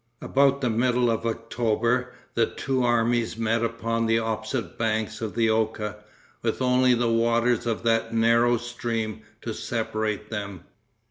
About the middle of October the two armies met upon the opposite banks of the Oka, with only the waters of that narrow stream to separate them.